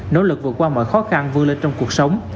nỗ lực vượt qua mọi khó khăn vươn lên trong cuộc sống